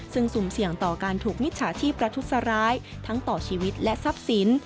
ซึ่งสุ่มเสี่ยงต่อการถูกมิจฉาชีพประทุษร้ายทั้งต่อชีวิตและทรัพย์สิน